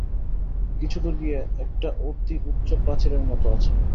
কিছু দূর গিয়া একটা অতি উচ্চ প্রাচীরের মত আছে।